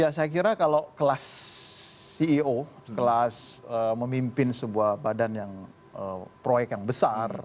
ya saya kira kalau kelas ceo kelas memimpin sebuah badan yang proyek yang besar